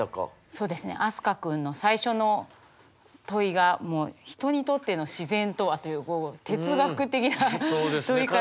そうですね飛鳥君の最初の問いがもう「人にとっての自然とは？」というこう哲学的な問いから始まって。